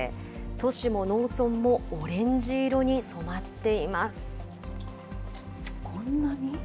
都市も農村もオレンジ色に染まっこんなに？